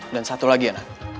dan satu lagi ya nan